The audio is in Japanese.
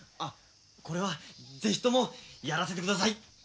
これはぜひともやらせて下さい。